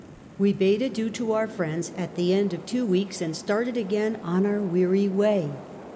We bade adieu to our friends at the end of two weeks and started again on our weary way.